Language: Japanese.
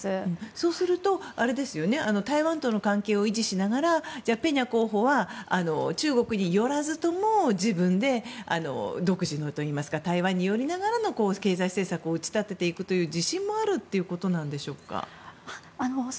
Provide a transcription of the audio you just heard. そうすると台湾との関係を維持しながらペニャ候補は中国に寄らずとも自分で独自のといいますか、台湾への経済政策を打ち立てていくという自信もあるということでしょうか。